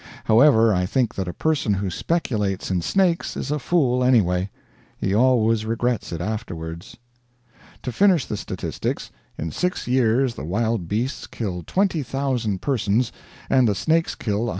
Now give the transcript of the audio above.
However, I think that a person who speculates in snakes is a fool, anyway. He always regrets it afterwards. To finish the statistics. In six years the wild beasts kill 20,000 persons, and the snakes kill 103,000.